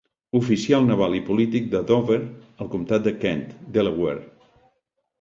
Oficial naval i polític de Dover al comtat de Kent, Delaware.